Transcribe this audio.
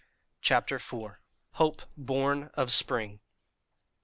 CHAPTER IV. HOPE BORN OF SPRING.